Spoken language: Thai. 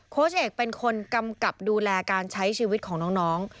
เอกเป็นคนกำกับดูแลการใช้ชีวิตของน้อง